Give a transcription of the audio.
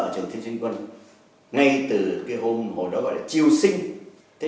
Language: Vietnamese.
chúng tôi luôn luôn cùng nhau